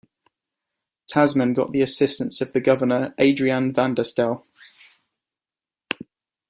Tasman got the assistance of the governor Adriaan van der Stel.